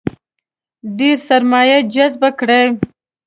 ډېره سرمایه جذبه کړي.